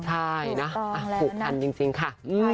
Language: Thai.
ใช่นะผูกพันจริงค่ะ